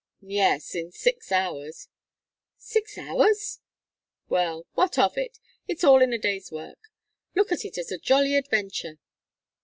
"Yes in six hours." "Six hours! Well, what of it? It is all in the day's work. Look at it as a jolly adventure."